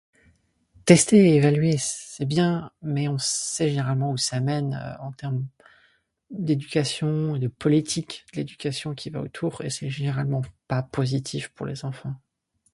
tester et écouter